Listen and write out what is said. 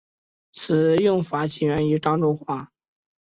此用法起源于漳州话。